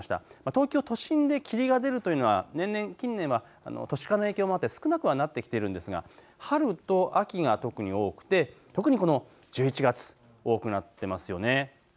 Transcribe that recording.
東京都心で霧が出るというのは年々、近年はの都市化の影響もあって少なくはなってきているんですが、春と秋が特に多くて特にこの１１月、多くなってますよね。